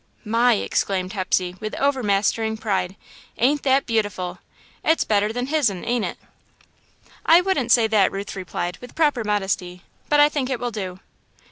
"My!" exclaimed Hepsey, with overmastering pride; "ain't that beautiful! It's better than his'n, ain't it?" "I wouldn't say that," Ruth replied, with proper modesty, "but I think it will do."